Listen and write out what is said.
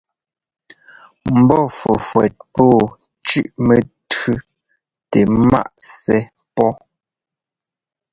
Mbɔ́ fʉ́fʉ́ét pɔ̌ɔ cʉ́ʉ mɛtʉʉ tɛnɛ́ ŋmǎʼ sɛ́ pɔ́.